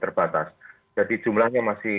terbatas jadi jumlahnya masih